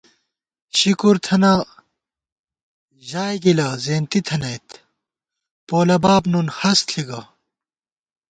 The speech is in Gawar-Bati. شِکُرتھنہ ژائگِلہ زېنتی تھنَئیت، پولہ باب نُن ہست ݪی گہ